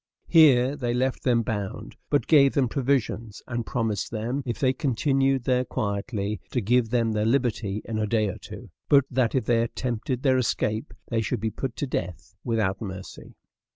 Here they left them bound, but gave them provisions, and promised them, if they continued there quietly, to give them their liberty in a day or two; but that if they attempted their escape they should be put to death without mercy.